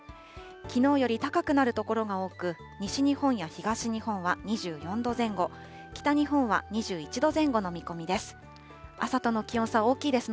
きのうより高くなる所が多く、西日本や東日本は２４度前後、北日本は２１度前後の見込みです。